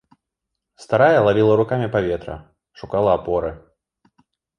Старая лавіла рукамі паветра, шукала апоры.